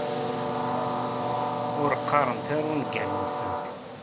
Ur qqarent ara ungalen-nsent.